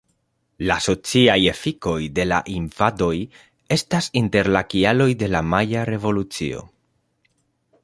La sociaj efikoj de la invadoj estas inter la kialoj de la Maja Revolucio.